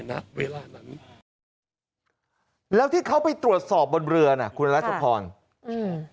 ณเวลานั้นแล้วที่เขาไปตรวจสอบบนเรือน่ะคุณรัชพรอืม